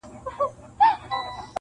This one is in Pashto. چي د حق ناره کړي پورته له ممبره-